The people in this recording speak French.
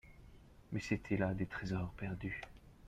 Mais c'etaient là des tresors perdus.